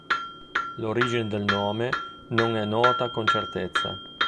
L'origine del nome non è nota con certezza.